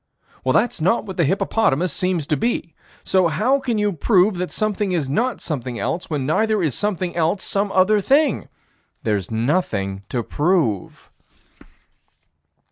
Well, that's what the hippopotamus seems to be. So how can you prove that something is not something else, when neither is something else some other thing? There's nothing to prove.